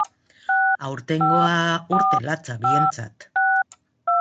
Aurtengoa urte latza bientzat.